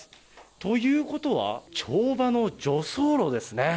ということは、跳馬の助走路ですね。